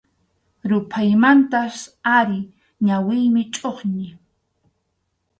Ruphaymantach ari ñawiymi chʼuqñi.